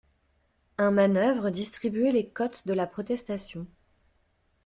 Un manœuvre distribuait les cotes de la protestation.